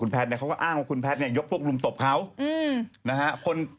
คุณแพทย์ก็อ้างว่าคุณแพทย์เนี่ยยกโลกลุ่มตบภารกิจนั้นครับคอนตรี